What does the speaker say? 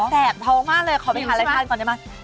แสกท้องมากเลยขอไปทานไลฟ์ทานก่อนได้ไหม